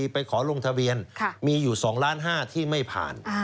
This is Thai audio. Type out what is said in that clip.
ไปขอลงทะเบียนมีอยู่๒ล้าน๕ที่ไม่ผ่าน